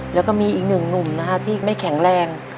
แล้วก็มีอีกหนึ่งหนุ่มนะฮะที่ไม่แข็งแรง